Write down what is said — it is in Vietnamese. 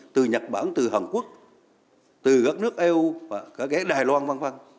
từ nhật bản từ hàn quốc từ các nước eu cả cái đài loan v v